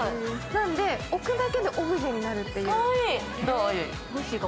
なんで置くだけでオブジェになるという。